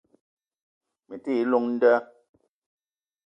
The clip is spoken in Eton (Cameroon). Me ti i llong nda